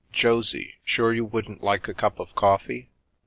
Josy, sure you wouldn't like a cup of coffee